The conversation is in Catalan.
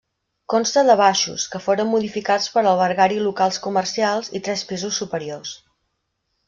Consta de baixos, que foren modificats per albergar-hi locals comercials, i tres pisos superiors.